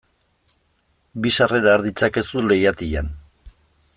Bi sarrera har ditzakezu leihatilan.